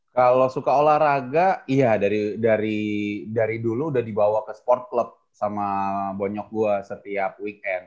kalau suka olahraga iya dari dulu udah dibawa ke sport club sama bonyok gue setiap weekend